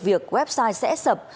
việc website sẽ sập